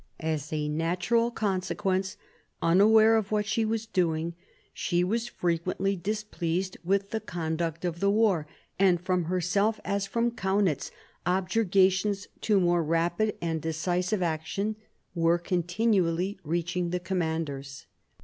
As a natural consequence, unaware of what she was doing, she was frequently displeased with the conduct of the war, and from herself, or from. Kaunitz, objurgations to more rapid and decisive action were continually reaching the commanders.